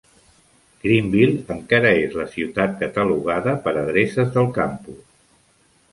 Greenville encara és la ciutat catalogada per adreces del campus.